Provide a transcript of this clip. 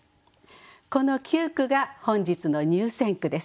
この９句が本日の入選句です。